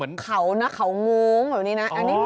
แต่เขานะเขามุม